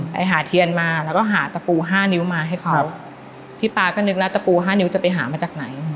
ไปหาเทียนมาแล้วก็หาตะปูห้านิ้วมาให้เขาพี่ป๊าก็นึกแล้วตะปูห้านิ้วจะไปหามาจากไหน